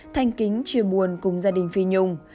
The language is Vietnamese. thanh kính chia buồn cùng gia đình phi nhung